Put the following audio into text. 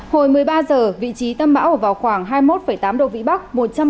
hồi một mươi ba h vị trí tâm bão ở vào khoảng hai mươi một tám độ vĩ bắc